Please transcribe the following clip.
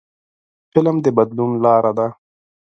فلم د بدلون لاره ده